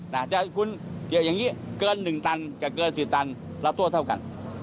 แต่คุณอย่างนี้เกิน๑ตันกับเกิน๑๐ตันรับโทษเท่ากัน